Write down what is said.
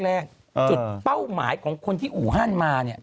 จุดเป้าหมายของคนที่อู่ฮั่นมาเนี่ย